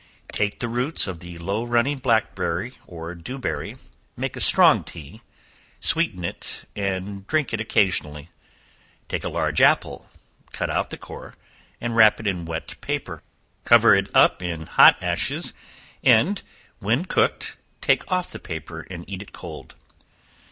Take the roots of the low running blackberry or dewberry; make a strong tea; sweeten it, and drink it occasionally. Take a large apple; cut out the core, and wrap in wet paper; cover it up in hot ashes, and when cooked, take off the paper and eat it cold.